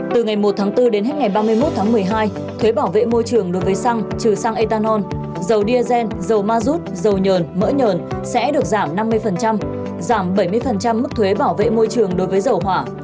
từ ngày một tháng bốn đến hết ngày ba mươi một tháng một mươi hai thuế bảo vệ môi trường đối với xăng trừ sang ethanol dầu diazen dầu ma rút dầu nhờn mỡ nhờn sẽ được giảm năm mươi giảm bảy mươi mức thuế bảo vệ môi trường đối với dầu hỏa